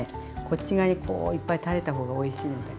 こっち側にこういっぱい垂れたほうがおいしいので。